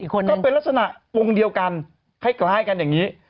ก็เป็นลักษณะวงเดียวกันคล้ายกันอย่างนี้